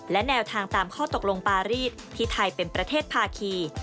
และแนวทางตามข้อตกลงปารีสที่ไทยเป็นประเทศภาคี